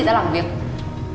mày mua cái laptop kia nhá